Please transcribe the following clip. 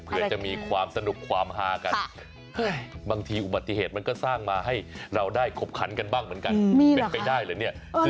เพื่อจะมีความสนุกความฮากัน